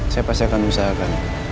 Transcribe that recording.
saya pasti akan berusaha